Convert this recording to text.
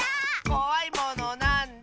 「こわいものなんだ？」